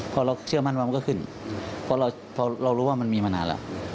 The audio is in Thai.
พอเราเชื่อมั่นว่ามันก็ขึ้นเพราะเรารู้ว่ามันมีมานานแล้ว